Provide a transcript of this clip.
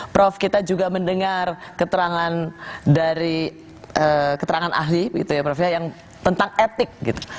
prof kita juga mendengar keterangan dari keterangan ahli gitu ya prof ya yang tentang etik gitu